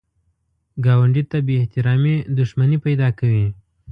ګاونډي ته بې احترامي دښمني پیدا کوي